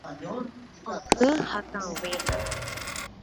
Oky hatãve